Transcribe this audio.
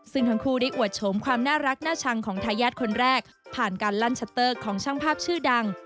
ซึ่งทั้งคู่ได้อวดโฉมความน่ารักน่าชังของทายาทคนแรกผ่านการลั่นชัตเตอร์ของช่างภาพชื่อดัง